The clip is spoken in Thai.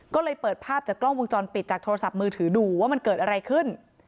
ก็เลยเปิดภาพจากกล้องวงจรปิดจากโทรศัพท์มือถือดูว่ามันเกิดอะไรขึ้น